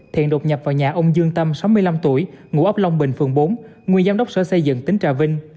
thiện đột nhập vào nhà ông dương tâm sáu mươi năm tuổi ngụ ấp long bình phường bốn nguyên giám đốc sở xây dựng tỉnh trà vinh